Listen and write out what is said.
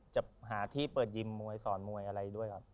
จะหาที่เปิดยิมมวยสอนมวยอะไรด้วยครับ